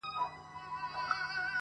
خو د عقل څښتن کړی یې انسان دی!!!!!